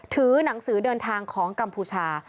หนังสือเดินทางของกัมพูชา